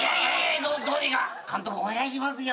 どうにか監督お願いしますよ。